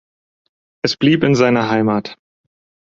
Es blieb in seiner Heimat.